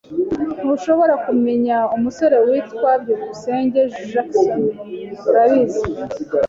Ntushobora kumenya umusore witwa byukusenge Jackson, urabizi?